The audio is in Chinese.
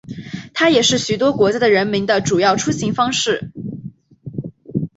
它也是许多国家的人们的主要出行方式。